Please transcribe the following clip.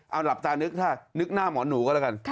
เอาหลับตานึกหน้าหมอนหนูก็แล้วกัน